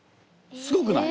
すごくない？